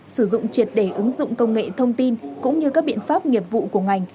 sử dụng triệt để ứng dụng công nghệ thông tin cũng như các biện pháp nghiệp vụ của ngành